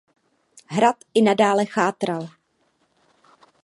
Hrad i nadále chátral.